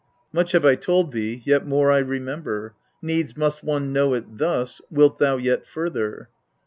Much have I told thee, yet more I remember; needs must one know it thus, wilt thou yet further